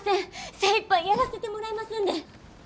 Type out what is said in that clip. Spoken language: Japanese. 精いっぱいやらせてもらいますんで。